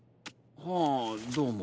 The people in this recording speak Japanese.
はあどうも。